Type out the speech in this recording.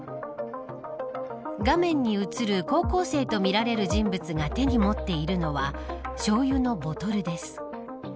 画面に映る高校生とみられる人物が、手に持っているのはしょうゆのボトルです。